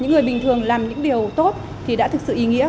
những người bình thường làm những điều tốt thì đã thực sự ý nghĩa